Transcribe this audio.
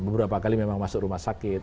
beberapa kali memang masuk rumah sakit